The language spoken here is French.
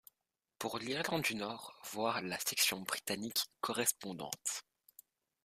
Pour l'Irlande du Nord, voir la section britannique correspondante.